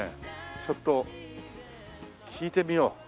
ちょっと聞いてみよう。